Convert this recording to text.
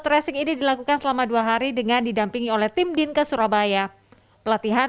tracing ini dilakukan selama dua hari dengan didampingi oleh tim din ke surabaya pelatihan